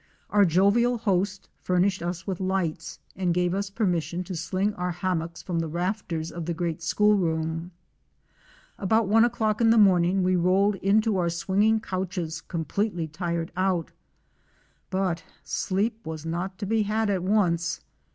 Our jovial host furnished us with lights, and gave us permission to sling our hammocks from the rafters of the great school room. About one o'clock in the morning we rolled into our swinging couches completely tired out. But sleep was not to be had at once.